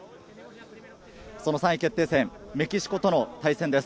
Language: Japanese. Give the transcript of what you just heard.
その３位決定戦、メキシコとの対戦です。